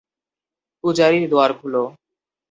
পূজারী, দুয়ার খোলো।